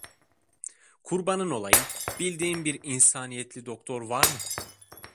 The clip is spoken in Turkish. Kurbanın olayım, bildiğin bir insaniyetli doktor var mı?